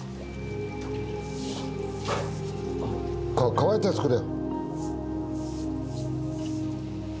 乾いたやつくれ。